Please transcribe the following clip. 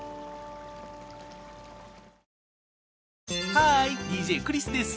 ハーイＤＪクリスです！